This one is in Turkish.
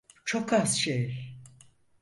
Çok az şey.